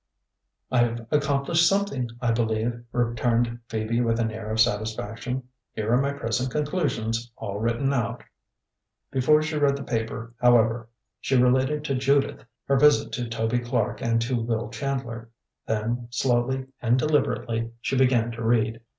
"I've accomplished something, I believe," returned Phoebe with an air of satisfaction. "Here are my present conclusions, all written out." Before she read the paper, however, she related to Judith her visit to Toby Clark and to Will Chandler. Then, slowly and deliberately, she began to read.